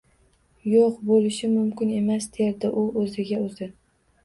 Yo`q, bo`lishi mumkin emas, derdi u o`ziga-o`zi